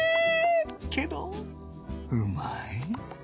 けどうまい